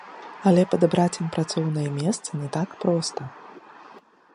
Але падабраць ім працоўнае месца не так проста.